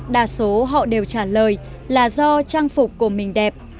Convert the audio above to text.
đa số họ đều trả lời là do trang phục của mình đẹp